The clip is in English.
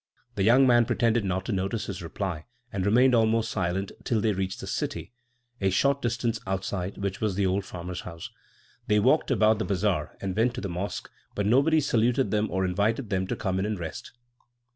The young man pretended not to notice his reply, and remained almost silent till they reached the city, a short distance outside which was the old farmer's house. They walked about the bazaar and went to the mosque, but nobody saluted them or invited them to come in and rest.